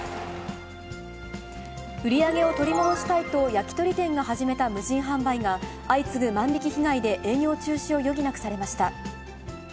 売り上げを取り戻したいと焼き鳥店が始めた無人販売が、相次ぐ万引き被害で営業中止を余儀なくされました。